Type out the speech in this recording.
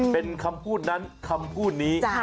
เป็นคำพูดนั้นคำพูดนี้